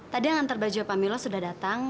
tadi yang hantar baju pak milo sudah datang